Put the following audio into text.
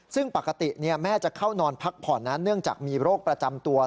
ซึ่งปกติแม่จะเข้านอนพักผ่อนนะเนื่องจากมีโรคประจำตัว